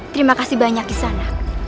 terima kasih banyak kisana